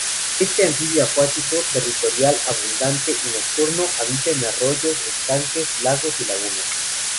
Este anfibio acuático, territorial, abundante y nocturno, habita en arroyos, estanques, lagos y lagunas.